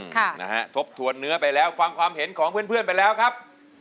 ค่ะทบทวนเนื้อไปแล้วฟังความเห็นของเพื่อนไปแล้วครับ